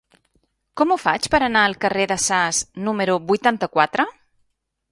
Com ho faig per anar al carrer de Sas número vuitanta-quatre?